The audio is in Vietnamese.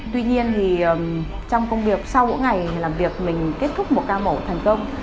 tuy nhiên thì trong công việc sau mỗi ngày làm việc mình kết thúc một ca mổ thành công